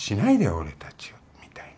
俺たちをみたいな。